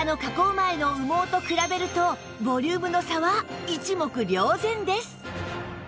前の羽毛と比べるとボリュームの差は一目瞭然です